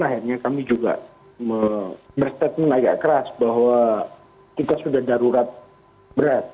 akhirnya kami juga berstatement agak keras bahwa kita sudah darurat berat